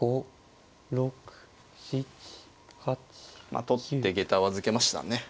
まあ取ってげたを預けましたね。